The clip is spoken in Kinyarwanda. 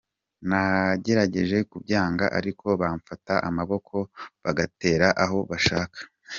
Nagerageje kubyanga ariko bakamfata amaboko bagatera aho bashaka.